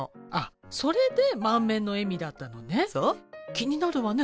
気になるわね